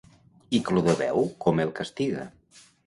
I Clodoveu com el castiga?